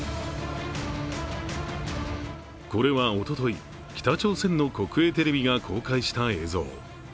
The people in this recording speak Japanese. これはおととい、北朝鮮の国営メディアが公開した映像。